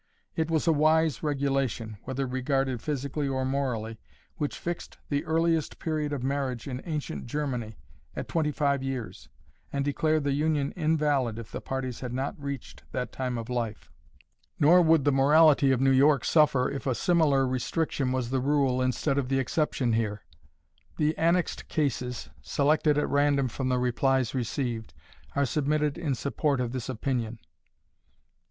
It was a wise regulation, whether regarded physically or morally, which fixed the earliest period of marriage in ancient Germany at twenty five years, and declared the union invalid if the parties had not reached that time of life; nor would the morality of New York suffer if a similar restriction was the rule instead of the exception here. The annexed cases, selected at random from the replies received, are submitted in support of this opinion.